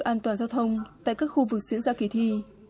an toàn giao thông tại các khu vực diễn ra kỳ thi